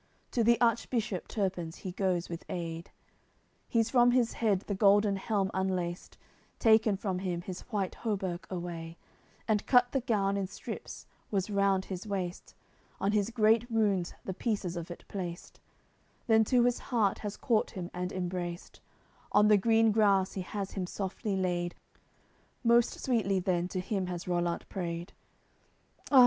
To the Archbishop, Turpins, he goes with aid; I He's from his head the golden helm unlaced, Taken from him his white hauberk away, And cut the gown in strips, was round his waist; On his great wounds the pieces of it placed, Then to his heart has caught him and embraced; On the green grass he has him softly laid, Most sweetly then to him has Rollant prayed: "Ah!